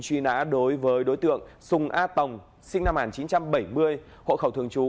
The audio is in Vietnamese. truy nã đối với đối tượng sùng a tồng sinh năm một nghìn chín trăm bảy mươi hộ khẩu thường trú